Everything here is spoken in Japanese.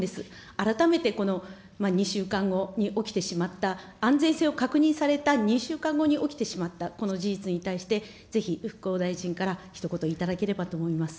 改めてこの２週間後に起きてしまった安全性を確認された２週間後に起きてしまったこの事実に対して、ぜひ復興大臣からひと言頂ければと思います。